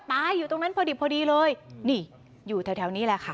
อยู่ตรงนั้นพอดีเลยนี่อยู่แถวแถวนี้แหละค่ะ